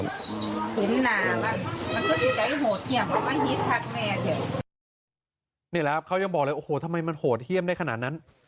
นี่แหละครับเขายังบอกเลยโอ้โหทำไมมันโหดเยี่ยมได้ขนาดนั้น